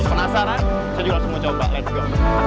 penasaran saya juga langsung mau coba let's go